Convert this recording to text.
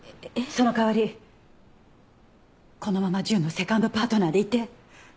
その代わりこのまま純のセカンドパートナーでいて。